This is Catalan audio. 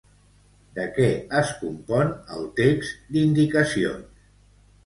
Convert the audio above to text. De què es compon el text d'indicacions?